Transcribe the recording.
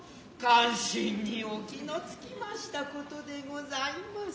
感心にお気のつきましたことでございます。